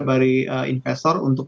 dari investor untuk mencapai